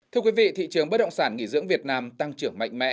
thưa quý vị thị trường bất động sản nghỉ dưỡng việt nam tăng trưởng mạnh mẽ